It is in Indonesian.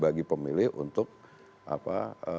bagi pemilih untuk apa